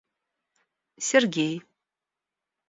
Сергей